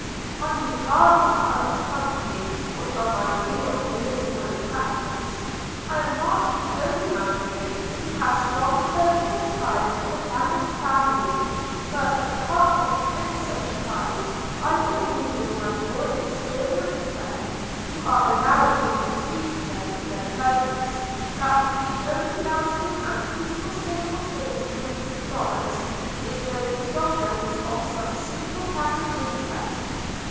I need hardly tell this company what are my real political attachments: I am not the only man here who has strong personal ties to the banished family; but, apart from any such ties, I agree with my more experienced friends, who are allowing me to speak for them in their presence, that the only lasting and peaceful state of things for Florence is the predominance of some single family interest.